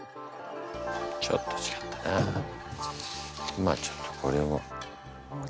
まあちょっとこれを。